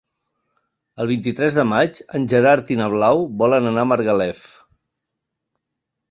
El vint-i-tres de maig en Gerard i na Blau volen anar a Margalef.